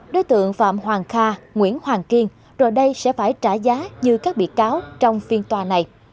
đối tượng phạm hoàng kha nguyễn hoàng kiên rồi đây sẽ phải trả giá như các bị cáo trong phiên tòa này